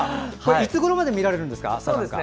いつごろまで見られるんですか？